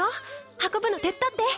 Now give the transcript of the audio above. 運ぶの手伝って。